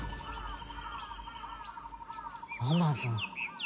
アマゾン。